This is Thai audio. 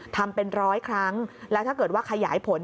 ทำเป็นร้อยครั้งแล้วถ้าเกิดว่าขยายผล